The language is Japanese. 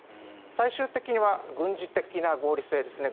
最終的には軍事的な合理性ですね。